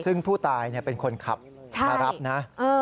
ซึ่งผู้ตายเป็นคนขับมารับนะ